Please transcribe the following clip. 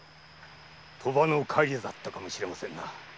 賭場の帰りだったかもしれませぬ。